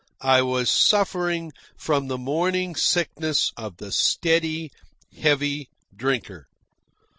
I was suffering from the morning sickness of the steady, heavy drinker.